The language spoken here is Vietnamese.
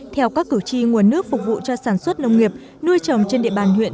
theo các cử tri nguồn nước phục vụ cho sản xuất nông nghiệp nuôi trồng trên địa bàn huyện